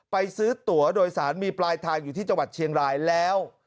ไปซื้อตัวโดยสารมีปลายทางอยู่ที่จังหวัดเชียงรายแล้ว